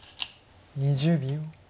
２０秒。